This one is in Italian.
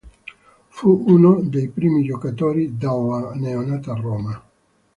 Fu uno dei primi giocatori della neonata Roma.